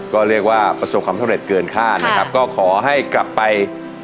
ก็เรียกว่าประสบความสำเร็จเกินค่านะครับก็ขอให้กลับไป